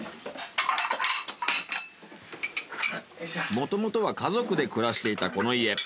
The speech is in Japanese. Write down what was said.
もともとは家族で暮らしていたこの家。